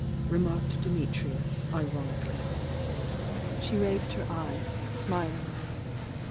remarked Dimitrws, iron ically. ..., She raised her eyes, smilingly.